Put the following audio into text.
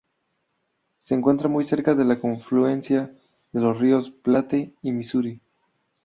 Se encuentra muy cerca de la confluencia de los ríos Platte y Misuri.